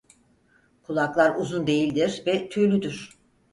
Kulaklar uzun değildir ve tüylüdür.